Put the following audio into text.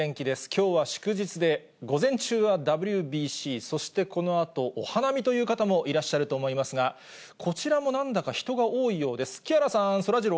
きょうは祝日で、午前中はＷＢＣ、そしてこのあと、お花見という方もいらっしゃると思いますが、こちらもなんだか人が多いようです。